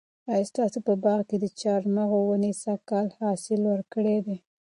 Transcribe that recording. آیا ستاسو په باغ کې د چهارمغز ونې سږ کال حاصل ورکړی دی؟